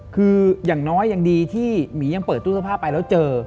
คืออย่างน้อยยังดีที่หมียังเปิดตู้เสื้อผ้าไปแล้วเจอ